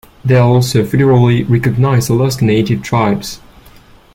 There are also federally recognized Alaska Native tribes.